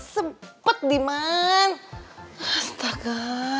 sepet diman astaga